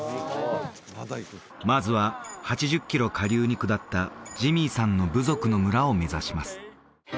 まずは８０キロ下流に下ったジミーさんの部族の村を目指します